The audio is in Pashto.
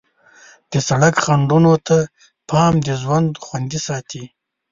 د سړک خنډونو ته پام د ژوند خوندي ساتي.